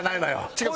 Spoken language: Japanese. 違う。